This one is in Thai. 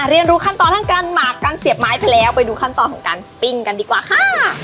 เรียนรู้ขั้นตอนทั้งการหมากการเสียบไม้ไปแล้วไปดูขั้นตอนของการปิ้งกันดีกว่าค่ะ